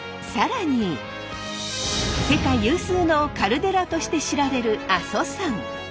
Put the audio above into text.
更に世界有数のカルデラとして知られる阿蘇山！